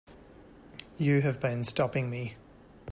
You have been stopping me.